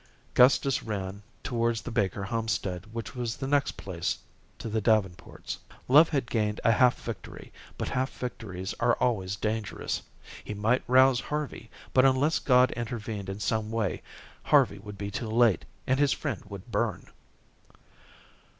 Gustus ran towards the Baker homestead which was the next place to the Davenports'. Love had gained a half victory, but half victories are always dangerous. He might rouse Harvey, but unless God intervened in some way, Harvey would be too late, and his friend would burn.